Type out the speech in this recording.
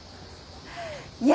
いや